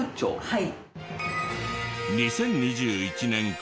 はい。